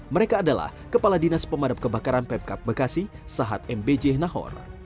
mereka adalah kepala dinas pemadam kebakaran pemkap bekasi sahat mbj nahor